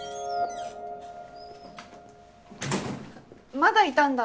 まだいたんだ